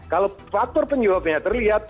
kalau faktor penyebabnya terlihat